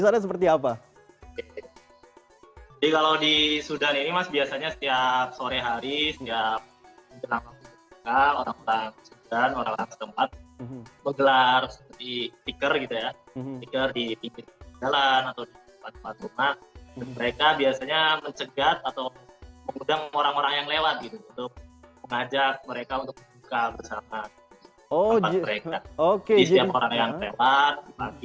jadi siapapun orang yang lewat